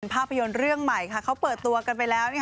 ภาพยนตร์เรื่องใหม่เขาเปิดตัวกันไปแล้ว